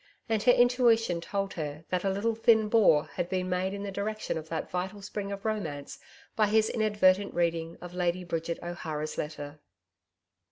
And her intuition told her that a little thin bore had been made in the direction of that vital spring of romance by his inadvertent reading of Lady Bridget O'Hara's letter.